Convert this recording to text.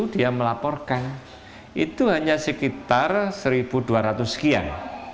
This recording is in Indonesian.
dia melaporkan itu hanya sekitar satu dua ratus sekian